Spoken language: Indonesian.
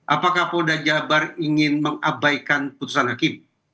apakah polda jabar ingin mengabaikan putusan hakim